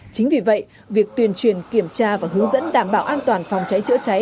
chính vì vậy việc tuyên truyền kiểm tra và hướng dẫn đảm bảo an toàn phòng cháy chữa cháy